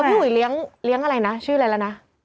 พี่อุ๋ยเลี้ยงอะไรนะชื่ออะไรแล้วนะ